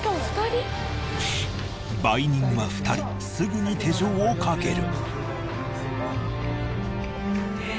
売人は２人すぐに手錠をかける。